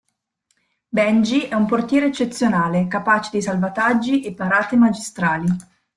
Benji è un portiere eccezionale, capace di salvataggi e parate magistrali.